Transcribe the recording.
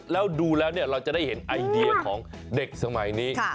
แล้วดูแล้วเราจะได้เห็นไอเดียของเด็กสมัยนี้